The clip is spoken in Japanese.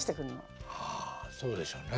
そうでしょうね。